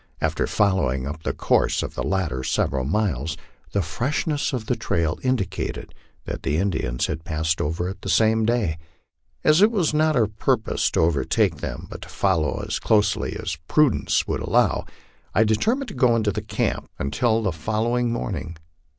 After following up the course of the latter several miles, the freshness of the trail indicated that the Indians had passed over it that same day. As it was not our purpose to overtake them, but to follow as closely as prudence would allow, I determined to go into camp until the following morning.